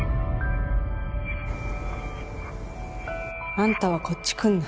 あんたはこっち来んな